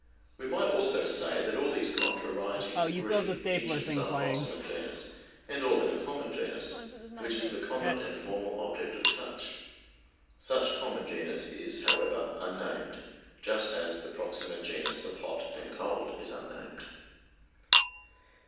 We might also say that all those contrarieties agree, each in some proximate genus, and all in a common genus, which is the common and formal object of touch. Such common genus is, however, unnamed, just as the proximate genus of hot and cold is unnamed.